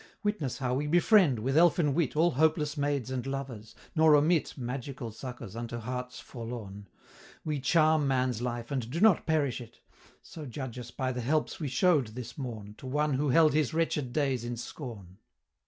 Witness how we befriend, with elfin wit, All hopeless maids and lovers, nor omit Magical succors unto hearts forlorn: We charm man's life, and do not perish it; So judge us by the helps we showed this morn, To one who held his wretched days in scorn."